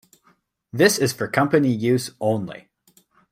This is for company use only.